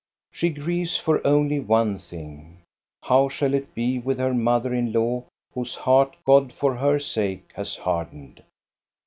She grieves for only one thing. How shall it be with her mother in law, whose heart God for her sake has hardened?